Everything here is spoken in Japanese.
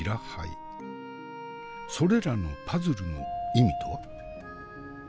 それらのパズルの意味とは？